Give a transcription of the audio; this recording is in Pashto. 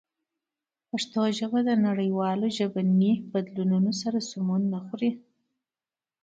پښتو ژبه د نړیوالو ژبني بدلونونو سره سمون نه خوري.